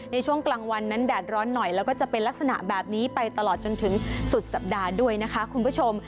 ในช่วงกลางวันนั้นแดดร้อนหน่อยแล้วก็จะเป็นลักษณะแบบนี้ไปตลอดจนถึงสุดสัปดาห์ด้วยนะคะคุณผู้ชม